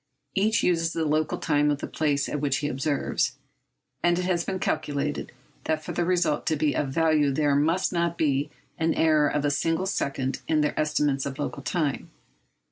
Each uses the local time of the place at which he observes, and it has been calculated that for the result to be of value there must not be an error of a single second in their estimates of local time.